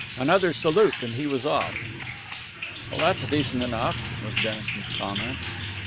Another salute and he was off. "Well, that's decent enough," was Dennison's comment.